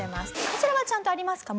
こちらはちゃんとありますか？